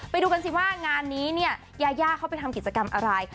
ไปดูกันสิว่างานนี้เนี่ยยายาเขาไปทำกิจกรรมอะไร